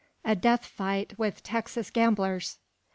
A DEATH FIGHT WITH TEXAS GAMBLERS.